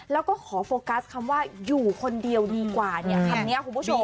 แล้วก็ขอโฟกัสคำว่าอยู่คนเดียวดีกว่าเนี่ยคำนี้คุณผู้ชม